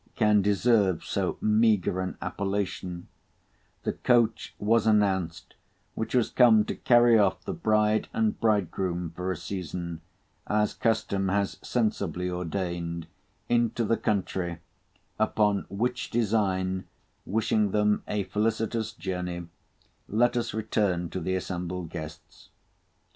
can deserve so meagre an appellation—the coach was announced, which was come to carry off the bride and bridegroom for a season, as custom has sensibly ordained, into the country; upon which design, wishing them a felicitous journey, let us return to the assembled guests.